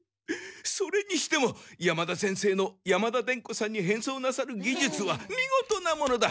それにしても山田先生の山田伝子さんに変装なさるぎじゅつはみごとなものだ！